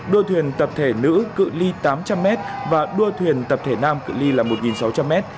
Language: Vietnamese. đua thuyền tập thể nữ cự li tám trăm linh m và đua thuyền tập thể nam cự li là một sáu trăm linh m